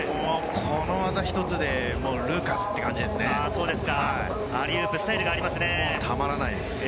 この技一つでルーカスって感じですね。